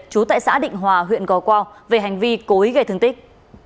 trú tại xã định hòa huyện gò quao về hành vi cố ý gây thương tích